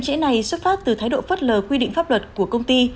sự chậm trễ này xuất phát từ thái độ phất lờ quy định pháp luật của công ty